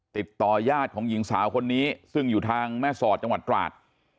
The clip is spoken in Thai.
ติดต่อยาดของหญิงสาวคนนี้ซึ่งอยู่ทางแม่สอดจังหวัดตราด